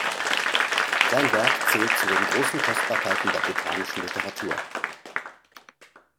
Sein Werk zählt zu den großen Kostbarkeiten der botanischen Literatur.